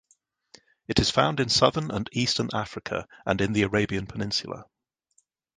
It is found in southern and eastern Africa and in the Arabian peninsula.